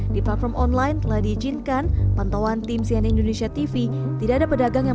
di platform online telah diizinkan pantauan tim sian indonesia tv tidak ada pedagang yang